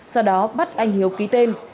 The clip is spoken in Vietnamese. sau đó bắt anh hiếu ký tên